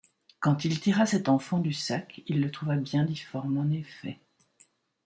Quand il tira cet enfant du sac, il le trouva bien difforme en effet.